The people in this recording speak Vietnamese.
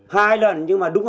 hai lần nhưng mà đúng